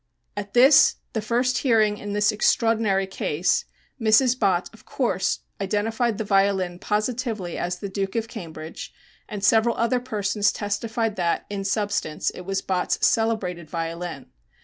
At this, the first hearing in this extraordinary case, Mrs. Bott, of course, identified the violin positively as "The Duke of Cambridge," and several other persons testified that, in substance, it was Bott's celebrated violin.